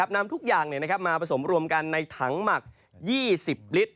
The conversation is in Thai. นำทุกอย่างมาผสมรวมกันในถังหมัก๒๐ลิตร